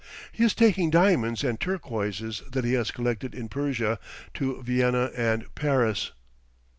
He is taking diamonds and turquoises that he has collected in Persia, to Vienna and Paris.